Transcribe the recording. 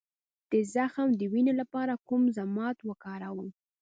د زخم د وینې لپاره کوم ضماد وکاروم؟